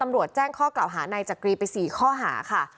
แจ้งข้อกล่าวหานายจักรีไป๔ข้อหาค่ะ